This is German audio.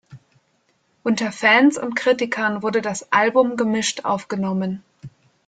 Unter Fans und Kritikern wurde das Album gemischt aufgenommen.